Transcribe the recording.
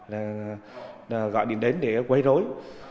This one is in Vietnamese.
là gọi điện đến để quay rối